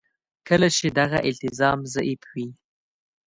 کله چې دغه التزام ضعیف وي.